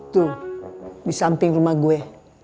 tuh disamping rumah gue